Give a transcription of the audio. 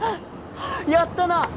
やったな！